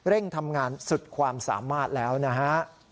ทำงานสุดความสามารถแล้วนะฮะ